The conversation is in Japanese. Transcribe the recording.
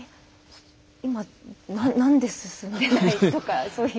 今、なんで進んでいないとかそういう。